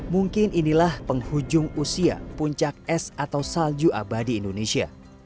mungkin inilah penghujung usia puncak es atau salju abadi indonesia